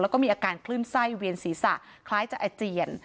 แล้วก็มีอาการคลื่นไส้เวียนศีรษะคล้ายจะอาเจียน